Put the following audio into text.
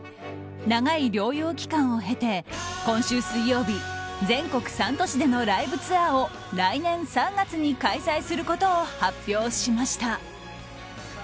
長い療養期間を経て今週水曜日全国３都市でのライブツアーを来年３月に開催することを発表しました。